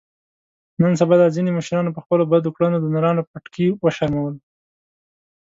نن سبا دا ځنې مشرانو په خپلو بدو کړنو د نرانو پټکي و شرمول.